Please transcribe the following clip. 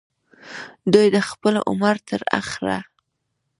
دوي د خپل عمر تر اخره